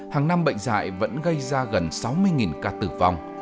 hàng năm bệnh dạy vẫn gây ra gần sáu mươi ca tử vong